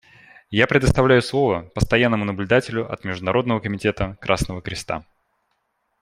Я предоставляю слово Постоянному наблюдателю от Международного комитета Красного Креста.